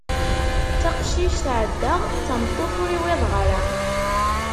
D taqcict ɛeddaɣ, d tameṭṭut ur iwiḍeɣ ara.